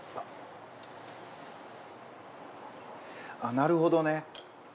なるほどね。